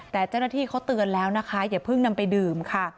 แต่เจ้าหน้าที่เขาเตือนแล้วนะคะอย่าเพิ่งนำไปดื่มค่ะ